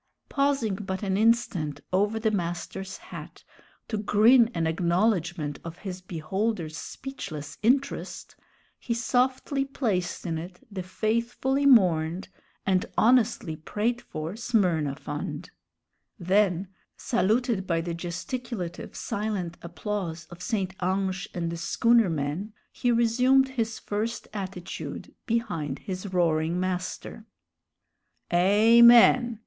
Pausing but an instant over the master's hat to grin an acknowledgment of his beholders' speechless interest, he softly placed in it the faithfully mourned and honestly prayed for Smyrna fund; then, saluted by the gesticulative, silent applause of St. Ange and the schooner men, he resumed his first attitude behind his roaring master. "Amen!"